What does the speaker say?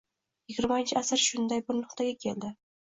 Yigirmanchi asr shunday bir nuqtaga keldi...